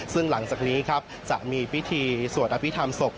ซึ่งหลังจากนี้ครับจะมีพิธีสวดอภิษฐรรมศพ